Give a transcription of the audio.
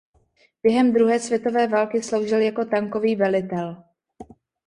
Během druhé světové války sloužil jako tankový velitel.